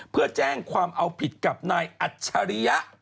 เพื่อแจ้งความเอาผิดกับนายอัจฉริยะ